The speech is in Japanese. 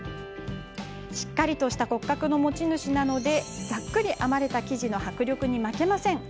しっかりとした骨格の持ち主なのでざっくり編まれた生地の迫力に負けません。